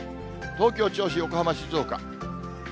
東京、銚子、横浜、静岡。